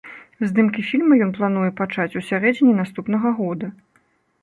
Здымкі фільма ён плануе пачаць у сярэдзіне наступнага года.